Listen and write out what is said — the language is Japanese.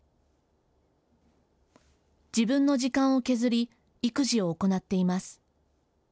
自分の時間を削り育児を行っています。